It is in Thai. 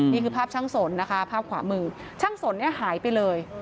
นี่คือภาพช่างสนนะคะภาพขวามือช่างสนเนี่ยหายไปเลย